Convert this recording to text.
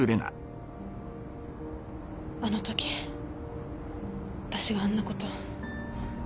あのとき私があんなこと。